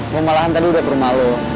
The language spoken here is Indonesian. mau malahan tadi udah berumah lu